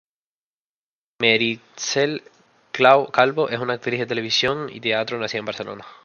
Meritxell Calvo es una actriz de televisión y teatro nacida en Barcelona.